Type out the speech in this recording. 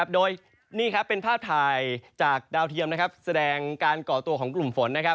โดยนี่เป็นภาพถ่ายจากดาวเทียมแสดงการก่อตัวของกลุ่มฝน